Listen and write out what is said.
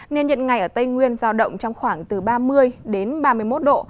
nên nhiệt ngày ở tây nguyên giao động trong khoảng từ ba mươi đến ba mươi một độ